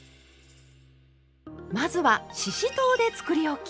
まずはししとうでつくりおき！